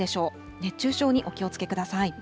熱中症にお気をつけください。